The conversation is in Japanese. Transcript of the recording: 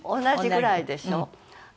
同じぐらいでしょ。